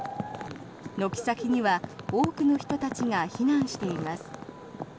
軒先には多くの人たちが避難しています。